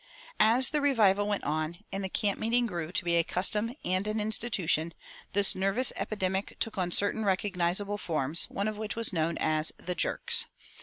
As the revival went on and the camp meeting grew to be a custom and an institution, this nervous epidemic took on certain recognizable forms, one of which was known as "the jerks."